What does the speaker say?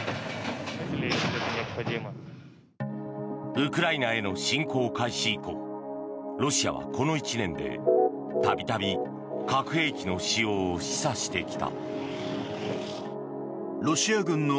ウクライナへの侵攻開始以降ロシアはこの１年で度々、核兵器の使用を示唆してきた。